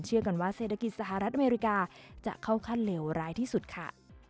กันว่าเศรษฐกิจสหรัฐอเมริกาจะเข้าขั้นเลวร้ายที่สุดค่ะ